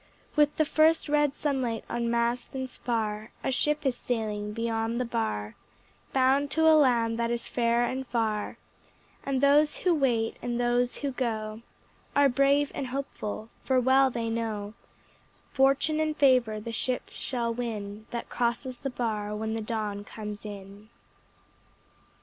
With the first red sunlight on mast and spar A ship is sailing beyond the bar, Bound to a land that is fair and far; And those who wait and those who go Are brave and hopeful, for well they know Fortune and favor the ship shall win That crosses the bar when the dawn comes in.